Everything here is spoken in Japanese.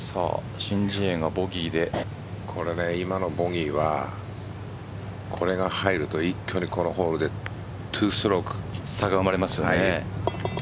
今のボギーはこれが入ると一挙にこのホール２ストローク差が生まれますよね。